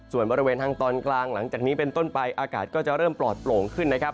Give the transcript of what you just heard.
ส่วนบริเวณทางตอนกลางหลังจากนี้เป็นต้นไปอากาศก็จะเริ่มปลอดโปร่งขึ้นนะครับ